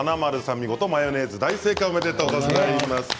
見事マヨネーズ、大正解おめでとうございます。